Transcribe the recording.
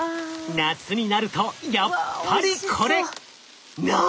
夏になるとやっぱりこれ！わ！